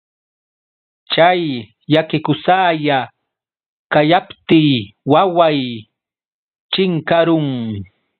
Chay llakikusalla kayaptiy waway chinkarun.